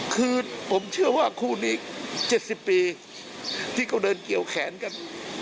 คือผมเชื่อว่าคู่นี้๗๐ปีที่เขาเดินเกี่ยวแขนกัน